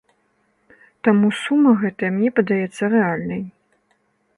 Таму, сума гэтая мне падаецца рэальнай.